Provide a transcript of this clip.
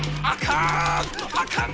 あかん！